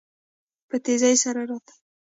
په تيزی سره راته.